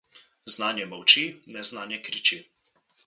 Znanje molči, neznanje kriči.